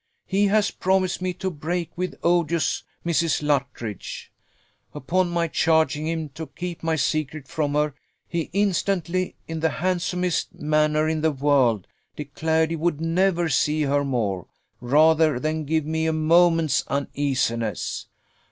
he has promised me to break with odious Mrs. Luttridge. Upon my charging him to keep my secret from her, he instantly, in the handsomest manner in the world, declared he would never see her more, rather than give me a moment's uneasiness.